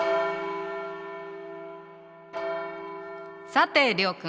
さて諒君。